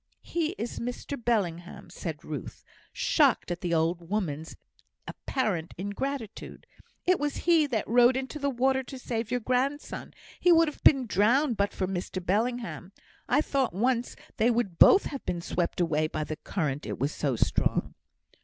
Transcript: "He is Mr Bellingham," said Ruth, shocked at the old woman's apparent ingratitude. "It was he that rode into the water to save your grandson. He would have been drowned but for Mr Bellingham. I thought once they would both have been swept away by the current, it was so strong."